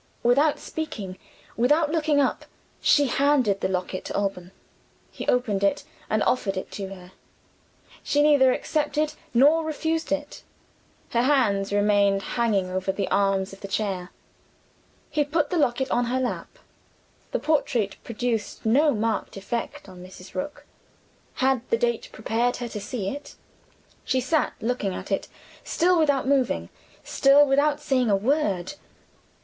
Without speaking, without looking up, she handed the locket to Alban. He opened it, and offered it to her. She neither accepted nor refused it: her hands remained hanging over the arms of the chair. He put the locket on her lap. The portrait produced no marked effect on Mrs. Rook. Had the date prepared her to see it? She sat looking at it still without moving: still without saying a word.